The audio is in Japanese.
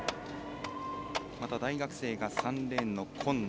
また大学生が３レーンの今野。